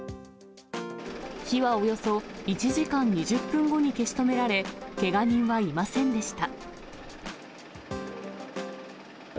火はおよそ１時間２０分後に消し止められ、けが人はいませんでした。